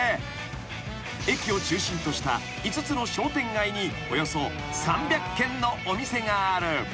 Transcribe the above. ［駅を中心とした５つの商店街におよそ３００軒のお店がある］